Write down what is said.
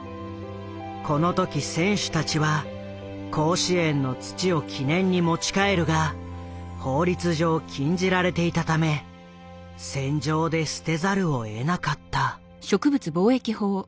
この時選手たちは甲子園の土を記念に持ち帰るが法律上禁じられていたため船上で捨てざるをえなかった。